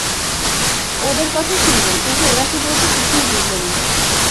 ওদের কথা শুনলেন, কিন্তু ওরা কি বলছে কিছুই বুঝলেন না।